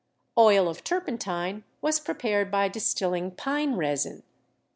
Oil of turpentine was prepared by distilling pine resin.